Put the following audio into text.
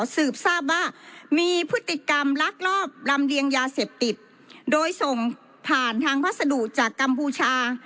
สืบทราบว่ามีพฤติกรรมลักลอบลำเลียงยาเสพติดโดยส่งผ่านทางพัสดุจากกัมพูชา